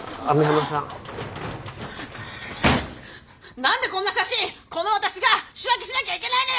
何でこんな写真この私が仕分けしなきゃいけないのよ！